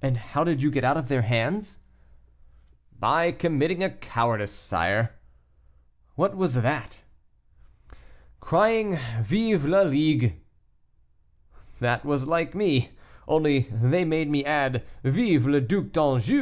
"And how did you get out of their hands?" "By committing a cowardice, sire." "What was that?" "Crying, 'Vive la Ligue!'" "That was like me; only they made me add, 'Vive le Duc d'Anjou!